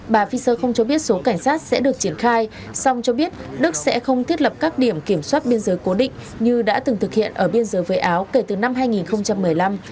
bà fiser không cho biết số cảnh sát sẽ được triển khai song cho biết đức sẽ không thiết lập các điểm kiểm soát biên giới cố định như đã từng thực hiện ở biên giới với áo kể từ năm hai nghìn một mươi năm